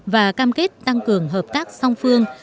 và cam kết tăng cường hợp tác song phương